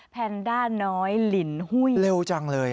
แนนด้าน้อยลินหุ้ยเร็วจังเลย